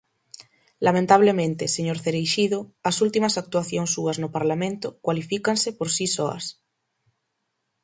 Lamentablemente, señor Cereixido, as últimas actuacións súas no Parlamento cualifícanse por si soas.